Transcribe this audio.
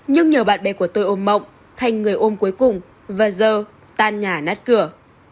nhưng nhờ bạn bè của tôi ôm mộng thành người ôm cuối cùng và giờ tan nhà nát cửa